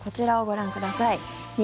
こちらをご覧ください。